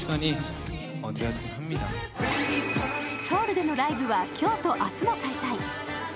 ソウルでのライブは今日と明日の開催。